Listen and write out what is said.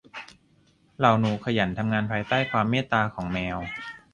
เหล่าหนูขยันทำงานภายใต้ความเมตตาของแมว